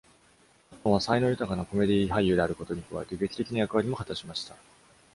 ハットンは、才能豊かなコメディ俳優であることに加えて、劇的な役割も果たしました。